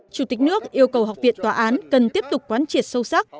chủ tịch nước yêu cầu học viện tòa án cần tiếp tục quán triệt sâu sắc